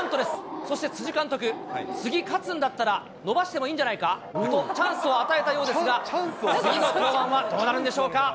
そして辻監督、次勝つんだったら、伸ばしてもいいんじゃないか？と、チャンスを与えたようですが、次の登板はどうなるんでしょうか。